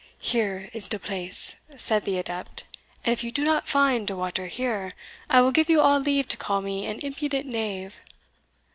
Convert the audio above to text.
"Here is de place," said the adept, "and if you do not find de water here, I will give you all leave to call me an impudent knave."